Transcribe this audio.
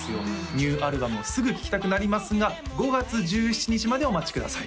ニューアルバムをすぐ聴きたくなりますが５月１７日までお待ちください